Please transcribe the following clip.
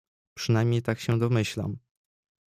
"Przynajmniej tak się domyślam."